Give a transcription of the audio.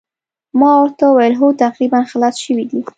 ما ورته وویل هو تقریباً خلاص شوي دي.